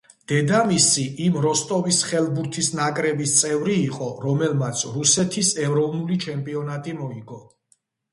დედამისი იმ როსტოვის ხელბურთის ნაკრების წევრი იყო, რომელმაც რუსეთის ეროვნული ჩემპიონატები მოიგო.